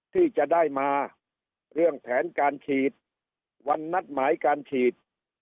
ที่จะได้มาเรื่องแผนการฉีดวันนัดหมายการฉีด